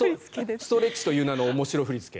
ストレッチという名の面白ふりつけ。